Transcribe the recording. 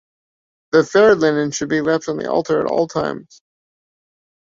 The fair linen should be left on the altar at all times.